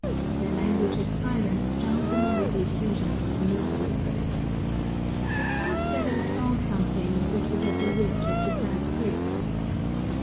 Their language of silence drowned the noisy effusion of the newspapers. I felt that I saw something which was at the root of Japan's greatness.